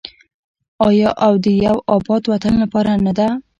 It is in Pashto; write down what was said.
آیا او د یو اباد وطن لپاره نه ده؟